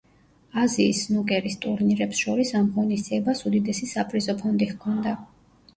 აზიის სნუკერის ტურნირებს შორის ამ ღონისძიებას უდიდესი საპრიზო ფონდი ჰქონდა.